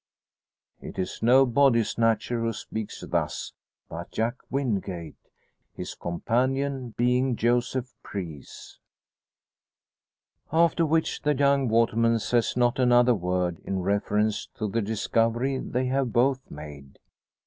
It is no body snatcher who speaks thus, but Jack Wingate, his companion being Joseph Preece. After which, the young waterman says not another word in reference to the discovery they have both made.